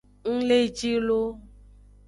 Ng le ji lo.